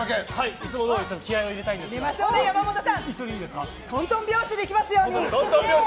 いつもどおり気合を入れたいんですがとんとん拍子でいきますよ。